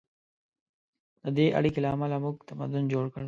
د دې اړیکې له امله موږ تمدن جوړ کړ.